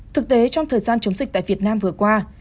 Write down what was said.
thực tế trong thời gian chống dịch tại việt nam vừa qua